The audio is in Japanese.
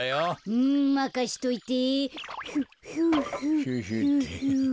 うんまかしといて。